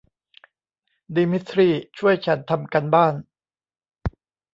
ดีมิสทรีช่วยฉันทำการบ้าน